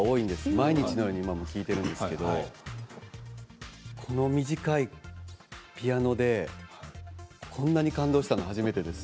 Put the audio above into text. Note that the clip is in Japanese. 毎日のように今、聴いているんですけどこの短いピアノでこんなに感動したのは初めてです。